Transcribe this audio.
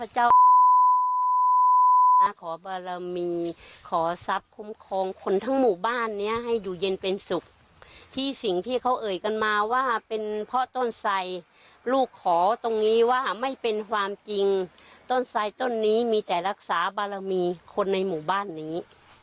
จนนี้มีแต่รักษาบารมีคนในหมู่บ้านนี้